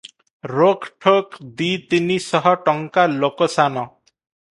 ରୋକ୍ ଠୋକ୍ ଦି ତିନି ଶହ ଟଙ୍କା ଲୋକସାନ!